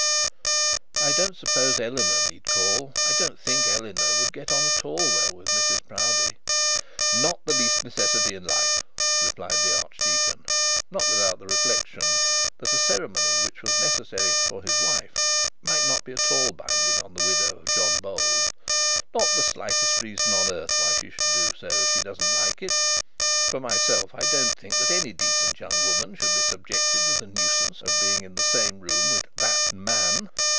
'I don't suppose Eleanor need call. I don't think Eleanor would get on at all well with Mrs Proudie.' 'Not the least necessity in life,' replied the archdeacon, not without the reflection that a ceremony which was necessary for his wife, might not be at all binding on the widow of John Bold. 'Not the slightest reason on earth why she should do so, if she doesn't like it. For myself, I don't think that any decent young woman should be subjected to the nuisance of being in the same room with that man.'